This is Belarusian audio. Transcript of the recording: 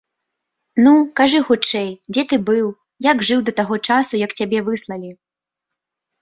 Ну, кажы хутчэй, дзе ты быў, як жыў да таго часу, як цябе выслалі?